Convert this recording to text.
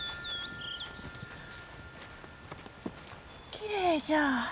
きれいじゃ。